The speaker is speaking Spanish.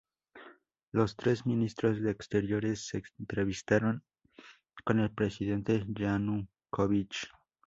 Los tres ministros de Exteriores se entrevistaron con el presidente Yanukóvich.